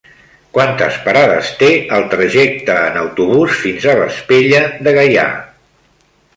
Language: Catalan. Quantes parades té el trajecte en autobús fins a Vespella de Gaià?